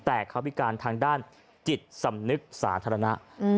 แต่เขาพิการทางด้านจิตสำนึกสาธารณะ